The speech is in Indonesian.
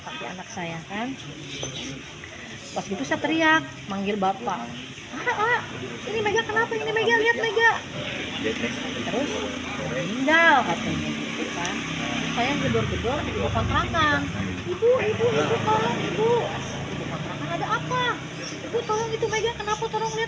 ada apa ibu tolong itu mega kenapa tolong lihat itu mega kenapa